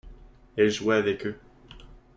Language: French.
Elle jouait avec eux.